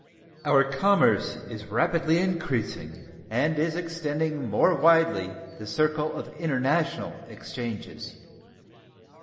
Our commerce is rapidly increasing, and is extending more widely the circle of international exchanges.